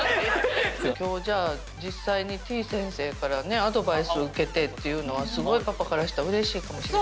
今日じゃあ実際にてぃ先生からねアドバイス受けてっていうのはすごいパパからしたらうれしいかも。